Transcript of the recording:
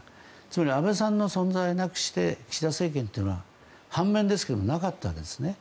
つまり安倍さんの存在なくして岸田政権というのは反面ですけどなかったですね。